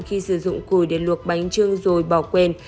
khi sử dụng cùi để luộc bánh trưng rồi bỏ quên